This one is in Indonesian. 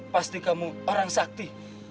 pasti kamu orang sakti